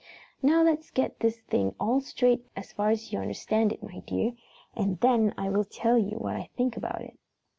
"Now, let's get this thing all straight as far as you understand it, my dear, and then I will tell you what I think about it."